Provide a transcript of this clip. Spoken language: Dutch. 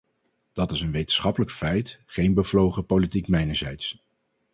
Dat is een wetenschappelijk feit, geen bevlogen politiek mijnerzijds.